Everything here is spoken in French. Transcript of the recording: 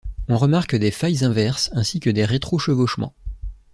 On remarque des failles inverses ainsi que des rétro-chevauchements.